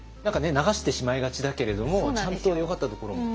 流してしまいがちだけれどもちゃんとよかったところも。